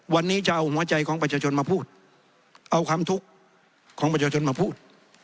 วันนี้จะเอาหัวใจของประชาชนมาพูดเอาความทุกข์ของประชาชนมาพูด